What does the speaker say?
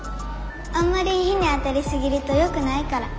あんまり日に当たりすぎるとよくないから。